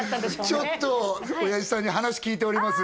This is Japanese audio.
ちょっとおやじさんに話聞いております